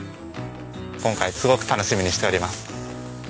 今回すごく楽しみにしております。